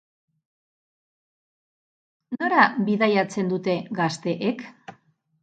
Nora bidaiatzen dute gazteek?